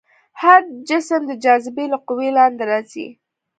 هر جسم د جاذبې له قوې لاندې راځي.